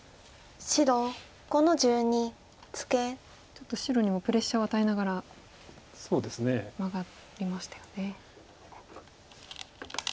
ちょっと白にもプレッシャーを与えながらマガりましたよね。